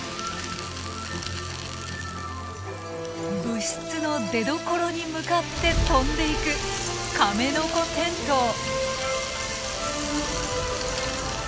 物質の出どころに向かって飛んでいくカメノコテントウ。